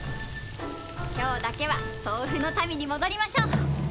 今日だけはトウフの民に戻りましょう。